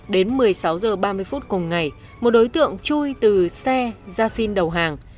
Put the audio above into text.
đến một mươi sáu h ba mươi phút cùng ngày một đối tượng chui từ xe ra xin đầu hàng